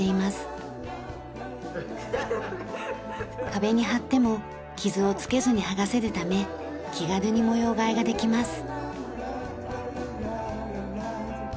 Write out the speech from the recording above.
壁に貼っても傷をつけずに剥がせるため気軽に模様替えができます。